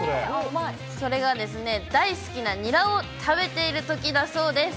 それがですね、大好きなニラを食べているときだそうです。